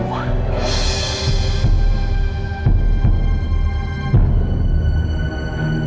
ibu harus sembuh